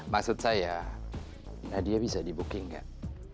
maksud saya nadia bisa dibuking enggak